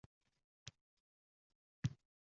Sudda yutub chiqdik.